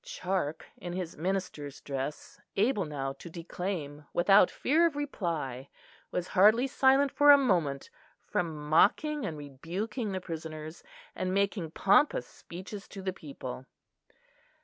Charke, in his minister's dress, able now to declaim without fear of reply, was hardly silent for a moment from mocking and rebuking the prisoners, and making pompous speeches to the people.